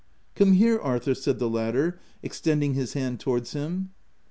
" Come here, Arthur," said the latter, extend ing his hand towards him.